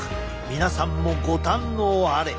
皆さんもご堪能あれ！